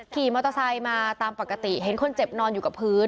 ขี่มอเตอร์ไซค์มาตามปกติเห็นคนเจ็บนอนอยู่กับพื้น